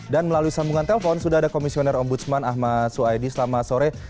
dan melalui sambungan telpon sudah ada komisioner ombudsman ahmad suhaidi selama sore